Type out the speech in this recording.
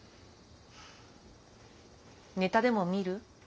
ネタでも見る？